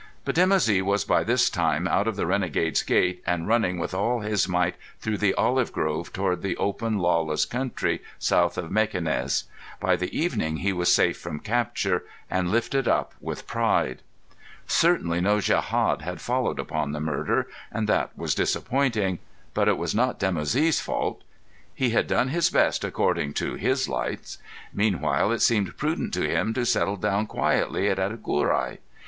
But Dimoussi was by this time out of the Renegade's Gate, and running with all his might through the olive grove towards the open, lawless country south of Mequinez. By the evening he was safe from capture, and lifted up with pride. Certainly no djehad had followed upon the murder, and that was disappointing. But it was not Dimoussi's fault. He had done his best according to his lights. Meanwhile, it seemed prudent to him to settle down quietly at Agurai.